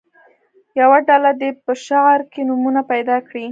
یوه ډله دې په شعر کې نومونه پیدا کړي.